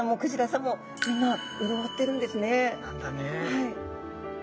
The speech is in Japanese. はい。